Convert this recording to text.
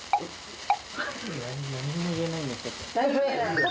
何も言えないんだけど。